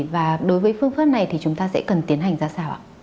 và đối với phương pháp này thì chúng ta sẽ cần tiến hành ra sao ạ